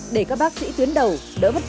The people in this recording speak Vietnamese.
để các bác sĩ tuyến đầu đỡ bất kỳ